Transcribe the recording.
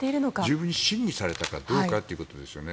十分に審議されたかどうかということですよね。